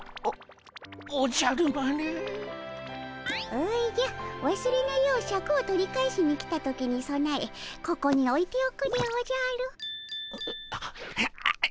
おじゃわすれぬようシャクを取り返しに来た時にそなえここにおいておくでおじゃる。